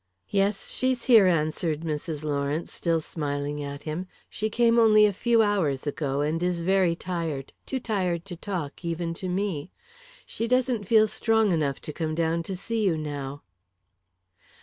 "Yes, she's here," answered Mrs. Lawrence, still smiling at him. "She came only a few hours ago and is very tired too tired to talk, even to me. She doesn't feel strong enough to come down to see you now."